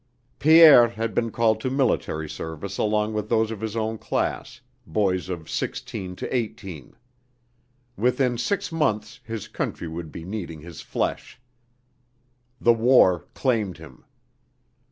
Pierre had been called to military service along with those of his own class, boys of sixteen to eighteen. Within six months his country would be needing his flesh. The war claimed him.